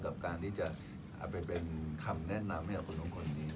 กับการที่จะเอาไปเป็นคำแนะนำให้กับคนสองคนนี้